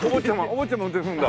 お坊ちゃま運転するんだ。